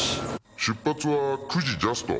出発は９時ジャスト。